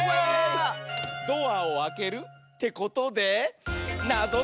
ドアをあけるってことでなぞとき。